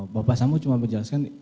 bapak sambo cuma menjelaskan